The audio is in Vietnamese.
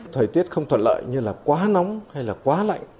thời tiết không thuận lợi như là quá nóng hay là quá lạnh